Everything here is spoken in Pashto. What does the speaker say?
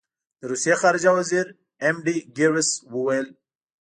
د روسیې خارجه وزیر ایم ډي ګیرس وویل.